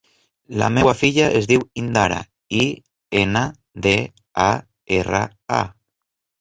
La meva filla es diu Indara: i, ena, de, a, erra, a.